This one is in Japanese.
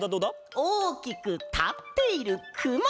おおきくたっているくま！